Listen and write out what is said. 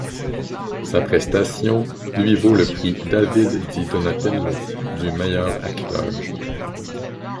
Sa prestation lui vaut le Prix David di Donatello du meilleur acteur.